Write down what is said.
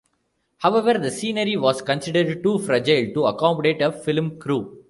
However, the scenery was considered too fragile to accommodate a film crew.